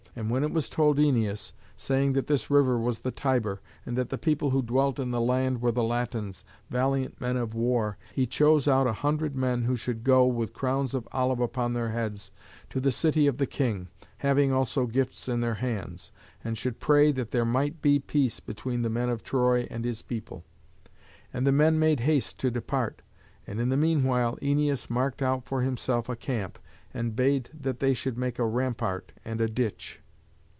And when it was told Æneas, saying that this river was the Tiber, and that the people who dwelt in the land were the Latins, valiant men of war, he chose out a hundred men who should go, with crowns of olive upon their heads, to the city of the king, having also gifts in their hands, and should pray that there might be peace between the men of Troy and his people. And the men made haste to depart; and in the meanwhile Æneas marked out for himself a camp, and bade that they should make a rampart and a ditch.